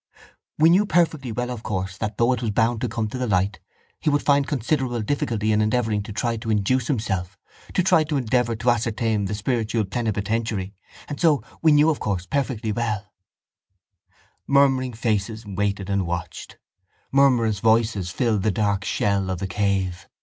—We knew perfectly well of course that though it was bound to come to the light he would find considerable difficulty in endeavouring to try to induce himself to try to endeavour to ascertain the spiritual plenipotentiary and so we knew of course perfectly well— Murmuring faces waited and watched; murmurous voices filled the dark shell of the cave.